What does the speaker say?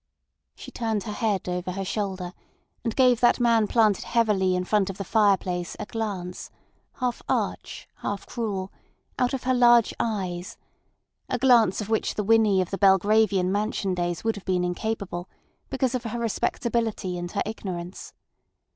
She turned her head over her shoulder and gave that man planted heavily in front of the fireplace a glance, half arch, half cruel, out of her large eyes—a glance of which the Winnie of the Belgravian mansion days would have been incapable, because of her respectability and her ignorance.